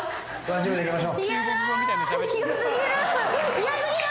嫌過ぎる！